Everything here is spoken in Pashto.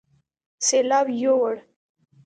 سېلاو يوړ